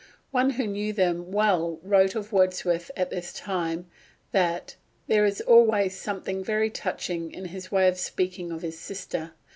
One who knew them well wrote of Wordsworth at this time that "There is always something very touching in his way of speaking of his sister.